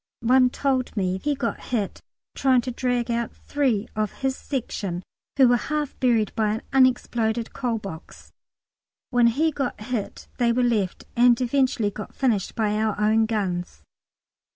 One told me he got hit trying to dig out three of his section who were half buried by an exploded coal box. When he got hit, they were left, and eventually got finished by our own guns.